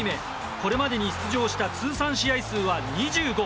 これまでに出場した通算試合数は２５。